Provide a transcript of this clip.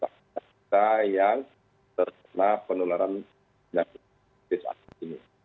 kita yang terkena penularan hepatitis akut ini